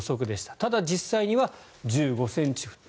ただ、実際には１５ｃｍ降った。